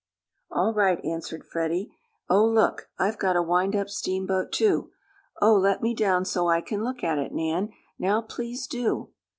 "All right!" answered Freddie. "Oh, look, I've got a wind up steamboat, too. Oh! let me down so I can look at it, Nan! Now please do!"